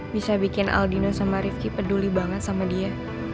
bisa bikin aldino sama rifki peduli banget sama dia